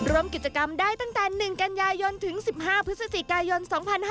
รวมกิจกรรมได้ตั้งแต่๑กันยายนถึง๑๕พฤศจิกายน๒๕๕๙